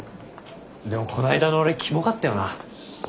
でもこの間の俺キモかったよな。